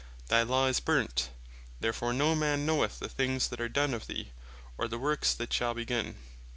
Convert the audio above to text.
"Thy Law is burnt; therefor no man knoweth the things that are done of thee, of the works that shall begin."